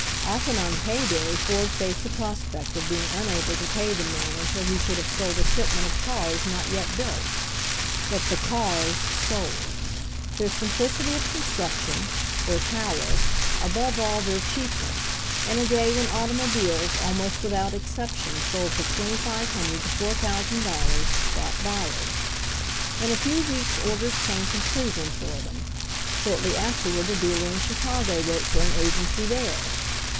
Often on pay day Ford faced the prospect of being unable to pay the men until he should have sold a shipment of cars not yet built. But the cars sold. Their simplicity of con struction, their power, above all their cheapness, in a day when automobiles almost without excep tion sold for $2,500 to $4,000, brought buyers. In a few weeks orders came from Cleveland for them; shortly afterward a dealer in Chicago wrote for an agency there.